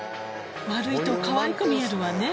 「まるいとかわいく見えるわね」